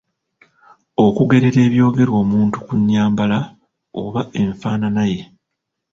Okugerera ebyogerwa omuntu ku nnyambala / enfaanana ye .